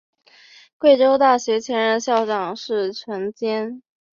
贵州大学前任校长是陈坚。